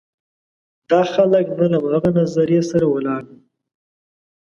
دا خلک نه له همغه نظریې سره ولاړ دي.